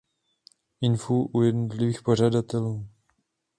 Info u jednotlivých pořadatelů.